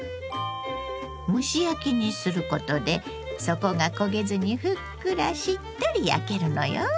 蒸し焼きにすることで底が焦げずにふっくらしっとり焼けるのよ。